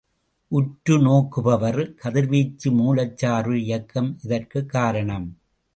உற்றுநோக்குபவர், கதிர்வீச்சு மூலச்சார்பு இயக்கம் இதற்குக் காரணம்.